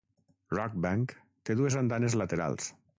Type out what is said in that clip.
Rockbank té dues andanes laterals.